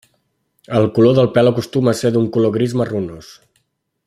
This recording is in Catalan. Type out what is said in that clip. El color del pèl acostuma a ser d'un color gris marronós.